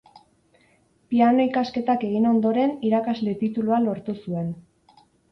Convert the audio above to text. Piano ikasketak egin ondoren irakasle titulua lortu zuen.